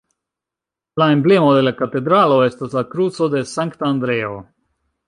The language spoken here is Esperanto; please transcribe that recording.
La emblemo de la katedralo estas la kruco de Sankta Andreo.